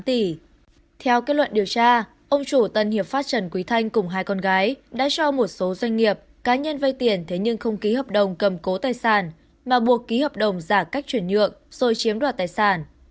theo kết luận điều tra ông chủ tân hiệp pháp trần quý thanh cùng hai con gái đã cho một số doanh nghiệp cá nhân vay tiền thế nhưng không ký hợp đồng cầm cố tài sản mà buộc ký hợp đồng giả cách chuyển nhượng rồi chiếm đoạt tài sản